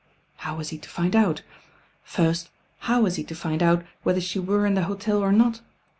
How wa, he to find out Krat how was he to find out whether she were in Se hotel or not?